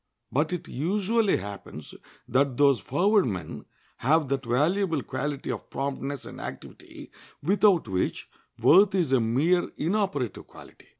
But it usually happens that those forward men have that valuable quality of promptness and activity, without which worth is a mere inoperative quality.